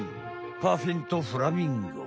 パフィンとフラミンゴ。